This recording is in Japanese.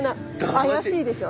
妖しいでしょ。